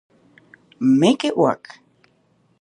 Make It Work!